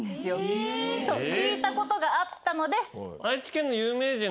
そう聞いたことがあったので。